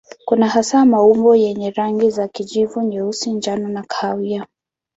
Kuna hasa maumbo yenye rangi za kijivu, nyeusi, njano na kahawia.